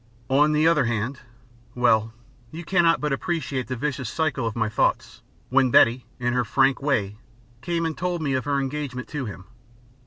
On the other hand...well, you cannot but appreciate the vicious circle of my thoughts, when Betty, in her frank way, came and told me of her engagement to him.